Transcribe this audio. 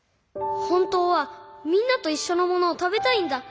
ほんとうはみんなといっしょのものをたべたいんだ。